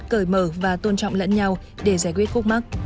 cởi mở và tôn trọng lẫn nhau để giải quyết khúc mắc